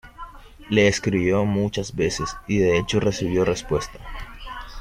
Le escribió muchas veces y de hecho recibió respuesta.